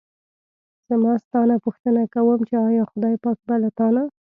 زه ستا نه پوښتنه کووم چې ایا خدای پاک به له تا نه.